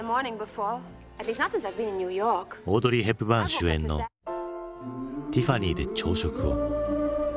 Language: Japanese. オードリー・ヘプバーン主演の「ティファニーで朝食を」。